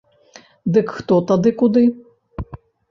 Дык хто тады куды?